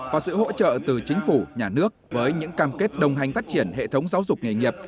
và sự hỗ trợ từ chính phủ nhà nước với những cam kết đồng hành phát triển hệ thống giáo dục nghề nghiệp